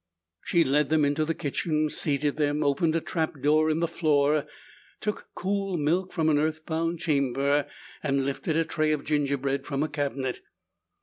She led them into the kitchen, seated them, opened a trap door in the floor, took cool milk from an earth bound chamber, and lifted a tray of gingerbread from a cabinet.